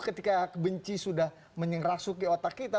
ketika kebenci sudah menyerah suki otak kita